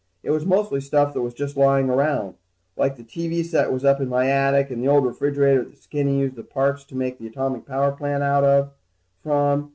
It was mostly stuff that was just lying around. Like the TV set was up in my attic, and the old refrigerator that Skinny used the parts to make the atomic power plant out of from.